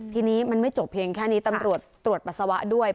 ทีนี้มันไม่จบเพียงแค่นี้ตำรวจตรวจปัสสาวะด้วย